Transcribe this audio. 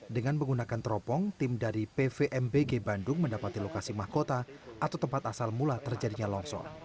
dengan menggunakan teropong tim dari pvmbg bandung mendapati lokasi mahkota atau tempat asal mula terjadinya longsor